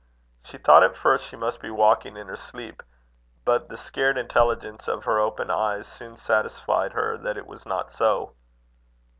She thought at first she must be walking in her sleep, but the scared intelligence of her open eyes, soon satisfied her that it was not so.